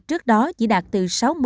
trước đó chỉ đạt từ sáu mươi tám mươi